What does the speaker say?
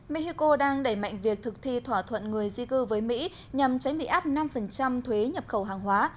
mexico đang đẩy mạnh việc thực thi thỏa thuận người di cư với mỹ nhằm tránh bị áp năm thuế nhập khẩu hàng hóa